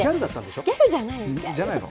ギャルじゃない！